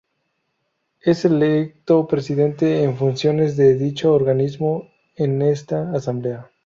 Es electo Presidente en Funciones de dicho organismo en esta Asamblea.